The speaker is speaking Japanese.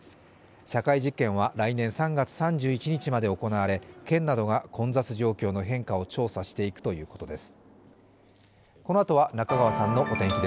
社会実験は来年３月３１日まで行われ県などが混雑状況の変化を調査していくということです。